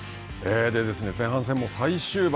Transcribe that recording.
前半戦も最終盤。